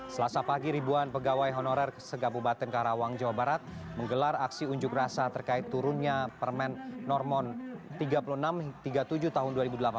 selasa pagi ribuan pegawai honorer kegabubatan karawang jawa barat menggelar aksi unjuk rasa terkait turunnya permen normon tiga puluh enam tiga puluh tujuh tahun dua ribu delapan belas